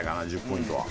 １０ポイントは。